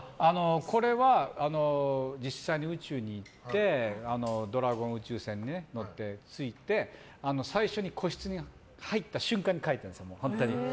これは実際に宇宙に行ってドラゴン宇宙船乗って着いて最初に個室に入った瞬間に書いたんです。